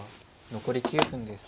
残り９分です。